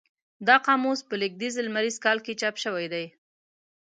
دا قاموس په لېږدیز لمریز کال کې چاپ شوی دی.